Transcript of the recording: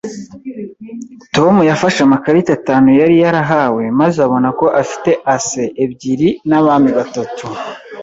Tom yafashe amakarita atanu yari yarahawe maze abona ko afite aces ebyiri n'abami batatu